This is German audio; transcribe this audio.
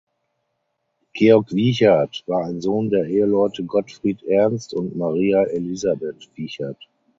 Georg Wichert war ein Sohn der Eheleute Gottfried Ernst und Maria Elisabeth Wichert.